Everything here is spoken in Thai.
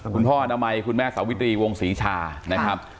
คุณพ่ออนามัยคุณแม่สาวิตรีวงศรีชานะครับ